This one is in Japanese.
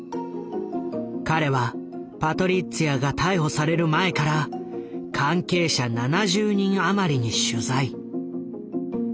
彼はパトリッツィアが逮捕される前から関係者７０人余りに取材。